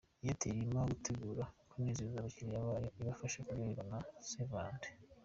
Airtel irimo gutegura kunezeza abakiliya bayo ibafasha kuryoherwa na St Valentin.